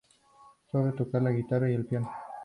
Sabe tocar la guitarra y el piano.